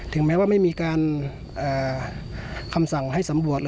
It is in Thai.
แม้ว่าไม่มีการคำสั่งให้สำรวจ